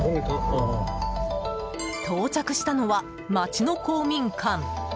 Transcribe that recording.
到着したのは町の公民館。